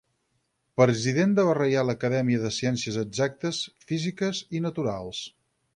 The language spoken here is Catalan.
President de la Reial Acadèmia de Ciències Exactes, Físiques i Naturals.